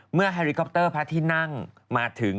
แฮริคอปเตอร์พระที่นั่งมาถึง